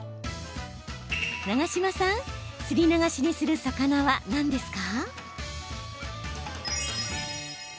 長島さん、すり流しにする魚は何ですか？